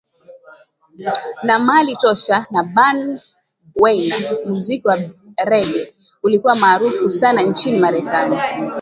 na Marley Tosh na Bunny Wailer Muziki wa Rege ulikuwa maarufu sana nchini Marekani